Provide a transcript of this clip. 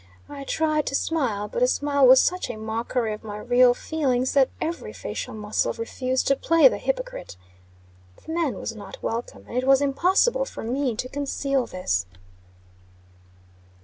I tried to smile; but a smile was such a mockery of my real feelings, that every facial muscle refused to play the hypocrite. The man was not welcome, and it was impossible for me to conceal this.